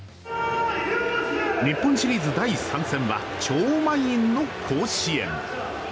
日本シリーズ第３戦は超満員の甲子園。